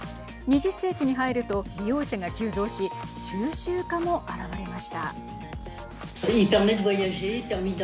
２０世紀に入ると利用者が急増し収集家も現れました。